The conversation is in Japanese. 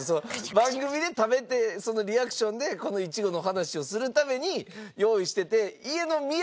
番組で食べてそのリアクションでこのイチゴの話をするために用意してて。